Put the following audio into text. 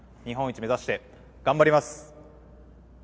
日本一を目指して頑張ります。